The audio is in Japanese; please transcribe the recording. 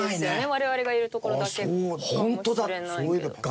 我々がいる所だけかもしれないけど。